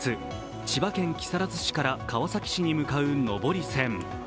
千葉県木更津市から川崎に向かう上り線。